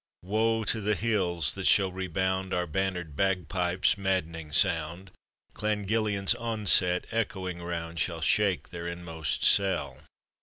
Woe to the hills that shall rebound Our banner'd bag pipes maddening sound; Clan Gillian's onset echoing round, Shall shake their inmost cell.